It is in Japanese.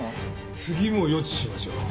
次も予知しましょう。